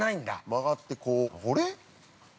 ◆曲がってこうこれ？